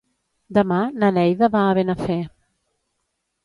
Demà na Neida va a Benafer.